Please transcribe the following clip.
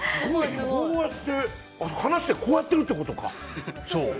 こうやって離してこうやってるってことか。